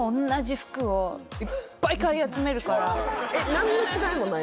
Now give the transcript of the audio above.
何の違いもない？